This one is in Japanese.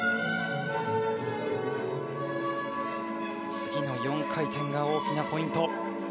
次の４回転が大きなポイント。